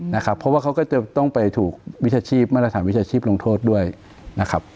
นะครับเพราะว่าเขาก็จะต้องไปถูกวิชาชีพมาตรฐานวิชาชีพลงโทษด้วยนะครับ